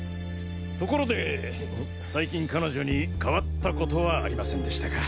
ところで最近彼女に変わった事はありませんでしたか？